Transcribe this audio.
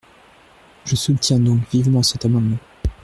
Je soutiens donc vivement cet amendement.